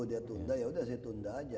dia tunda yaudah saya tunda aja